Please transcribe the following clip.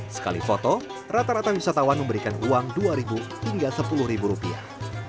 sekali foto rata rata wisatawan memberikan uang dua hingga sepuluh rupiah